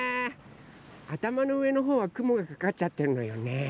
あたまのうえのほうはくもがかかっちゃってるのよね。